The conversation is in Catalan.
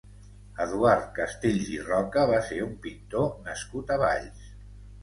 Eduard Castells i Roca va ser un pintor nascut a Valls.